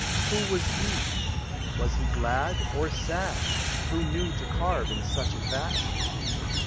Who was he ? Was he glad or sad, Who knew to carve in such a fashion?